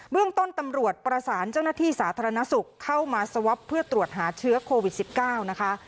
เรื่องต้นตำรวจประสานเจ้าหน้าที่สาธารณสุขเข้ามาสวอปเพื่อตรวจหาเชื้อโควิด๑๙นะคะ